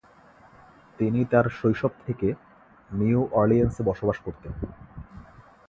তিনি তার শৈশব থেকে নিউ অরলিয়েন্সে বসবাস করতেন।